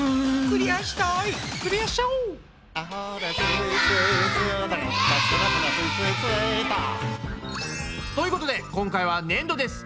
クリアしちゃおう！ということで今回はねんどです！